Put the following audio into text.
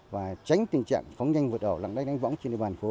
và tránh tình trạng phóng nhanh vượt ở lặng đáy đánh võng trên địa bàn phố